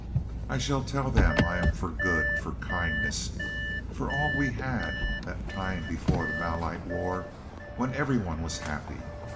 "I shall tell them I am for good, for kindness, for all we had, that time before the Malite war, when every one was happy.